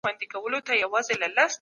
تاسو د غريبانو مرسته وکړئ.